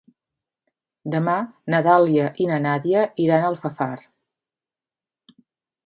Demà na Dàlia i na Nàdia iran a Alfafar.